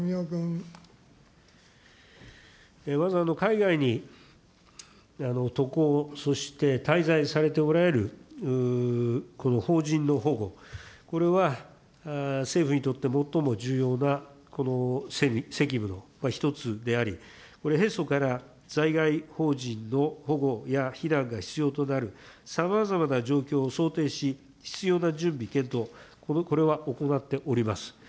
まず海外に渡航、そして滞在されておられるこの邦人の保護、これは政府にとって最も重要な、この責務の一つであり、これ、平素から在外邦人の保護や避難が必要となるさまざまな状況を想定し、必要な準備、検討、これは行っております。